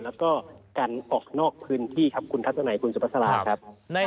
แล้วก็กันออกนอกพื้นที่ครับคุณทัศนัยคุณสุภาษาครับ